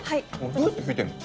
どうやって拭いてるの？